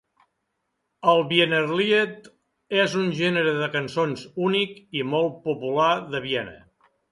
El Wienerlied és un gènere de cançons únic i molt popular de Viena.